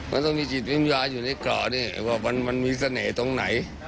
มันต้องมีจิตวิญญาณอยู่ในเกาะนี่ว่ามันมีเสน่ห์ตรงไหน